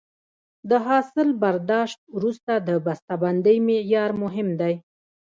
د حاصل برداشت وروسته د بسته بندۍ معیار مهم دی.